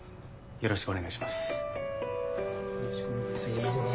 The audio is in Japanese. よろしくお願いします。